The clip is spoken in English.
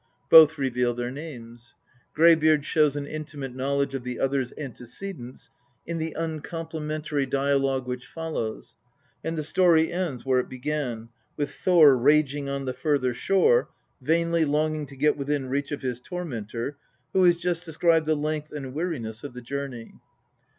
Both reveal their names. Greybeard shows an intimate knowledge of the other's antecedents in the uncomplimentary dialogue which follows, and the story ends where it began, with Thor raging on the further shore, vainly longing to get within reach of his tormentor, who has just described the length and weariness of the journey.